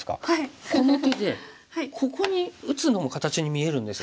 この手でここに打つのも形に見えるんですが。